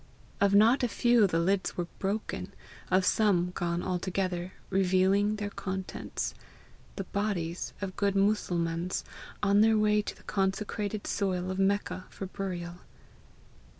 Of not a few the lids were broken, of some gone altogether, revealing their contents the bodies of good Mussulmans, on their way to the consecrated soil of Mecca for burial.